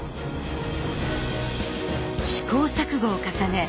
試行錯誤を重ね